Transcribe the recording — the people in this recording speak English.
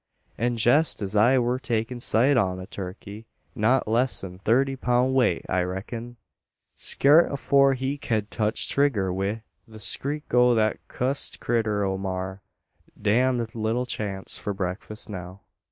An' jest as I wur takin' sight on a turkey, not less 'n thirty poun' weight, I reck'n; skeeart afore he ked touch trigger, wi' the skreek o' thet cussed critter o' a maar. Damned little chance for breakfust now."